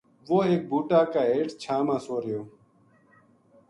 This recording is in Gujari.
وہ ایک بوٹا کا ہیٹھ چھاں ما سو رہیو